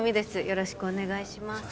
よろしくお願いします